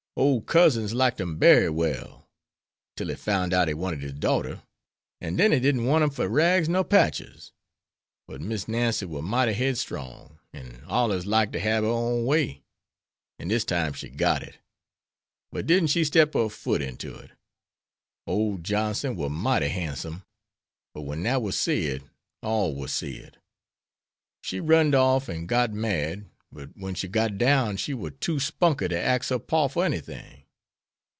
Ole Cousins liked him bery well, till he foun' out he wanted his darter, an' den he didn't want him fer rags nor patches. But Miss Nancy war mighty headstrong, an' allers liked to hab her own way; an' dis time she got it. But didn't she step her foot inter it? Ole Johnson war mighty han'some, but when dat war said all war said. She run'd off an' got married, but wen she got down she war too spunkey to axe her pa for anything.